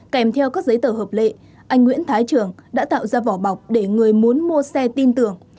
kèm theo các giấy tờ hợp lệ anh nguyễn thái trường đã tạo ra vỏ bọc để người muốn mua xe tin tưởng